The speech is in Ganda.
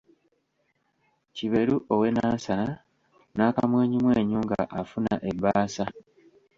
Kiberu ow’e Nansana n'akamwenyumwenyu nga afuna ebbaasa.